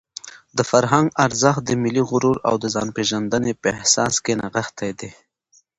د فرهنګ ارزښت د ملي غرور او د ځانپېژندنې په احساس کې نغښتی دی.